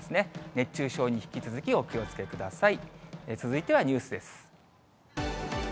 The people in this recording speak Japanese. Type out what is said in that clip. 熱中症に引き続きお気をつけください。